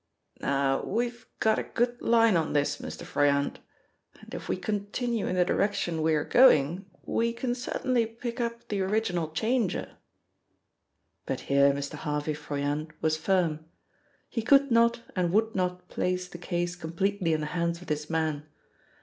"Now, we've got a good line on this, Mr. Froyant, and if we continue in the direction we are going, we can certainly pick up the original changer." But here Mr. Harvey Froyant was firm. He could not and would not place the case completely in the hands of this man.